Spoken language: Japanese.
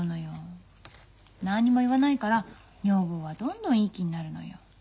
何にも言わないから女房はどんどんいい気になるのよ。